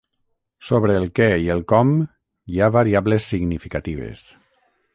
Sobre el què i el com hi ha variables significatives.